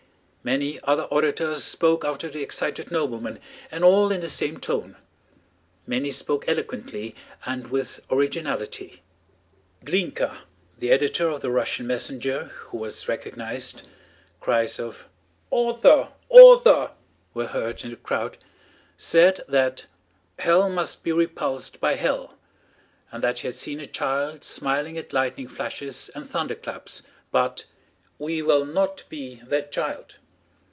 Many other orators spoke after the excited nobleman, and all in the same tone. Many spoke eloquently and with originality. Glínka, the editor of the Russian Messenger, who was recognized (cries of "author! author!" were heard in the crowd), said that "hell must be repulsed by hell," and that he had seen a child smiling at lightning flashes and thunderclaps, but "we will not be that child."